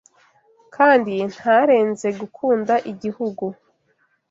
Kandi ntarenze gukunda igihugu